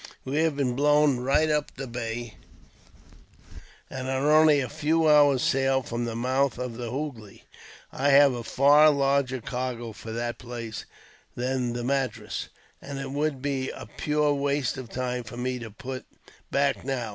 We have been blown right up the bay, and are only a few hours' sail from the mouth of the Hoogly. I have a far larger cargo for that place than for Madras, and it would be a pure waste of time for me to put back now.